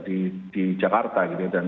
ee di jakarta gitu dan